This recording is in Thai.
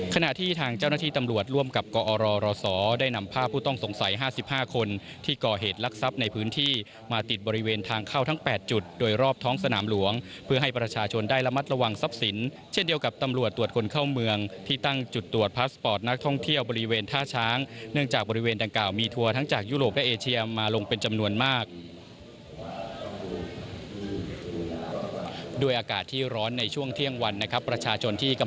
ขณะที่ทางเจ้าหน้าที่ตำรวจร่วมกับกอรรสได้นำภาพผู้ต้องสงสัยห้าสิบห้าคนที่ก่อเหตุลักษณ์ทรัพย์ในพื้นที่มาติดบริเวณทางเข้าทั้งแปดจุดโดยรอบท้องสนามหลวงเพื่อให้ประชาชนได้ระมัดระวังทรัพย์สินเช่นเดียวกับตำรวจตรวจคนเข้าเมืองที่ตั้งจุดตรวจพลาสปอร์ตนักท